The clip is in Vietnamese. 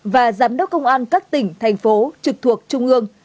và giám đốc công an các tỉnh thành phố trực thuộc trung ương